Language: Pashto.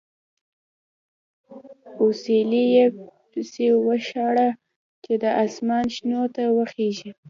اوسیلی یې پسې وشاړه چې د اسمان شنو ته وخېژي.